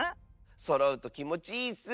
そろうときもちいいッス。